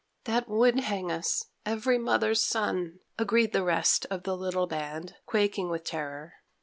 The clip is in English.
"That would hang us, every mother's son," agreed the rest of the little band, quaking with terror.